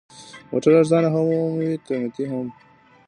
موټر ارزانه هم وي، قیمتي هم.